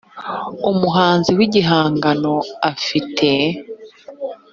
umuhanzi w igihangano afite